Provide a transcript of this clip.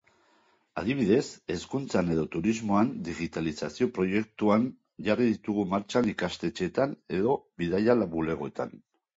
Adibidez, hezkuntzan edo turismoan digitalizazio proiektuan jarri ditugu martxan ikastetxeetan edo bidaia-bulegoetan.